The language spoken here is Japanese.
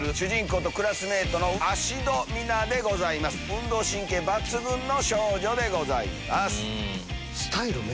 運動神経抜群の少女でございます。